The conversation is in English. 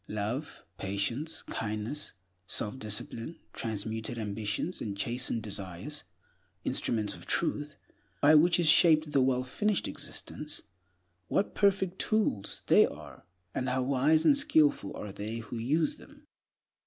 Love, patience, kindness, self discipline, transmuted ambitions, and chastened desires—instruments of Truth, by which is shaped a wellfinished existence, what perfect tools they are, and how wise and skillful are they who use them!